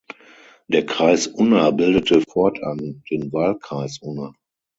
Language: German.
Der Kreis Unna bildete fortan den Wahlkreis Unna.